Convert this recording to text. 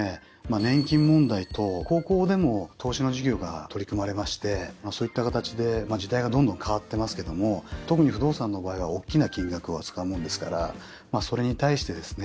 年金問題と高校でも投資の授業が取り組まれましてそういった形で時代がどんどん変わってますけども特に不動産の場合は大きな金額を扱うもんですからそれに対してですね